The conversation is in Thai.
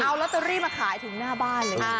เอาลอตเตอรี่มาขายถึงหน้าบ้านเลย